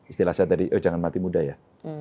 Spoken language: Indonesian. istilah saya tadi oh jangan mati muda ya